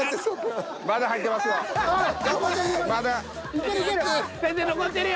いけるいける。